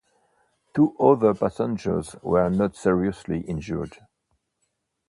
Two other passengers were not seriously injured.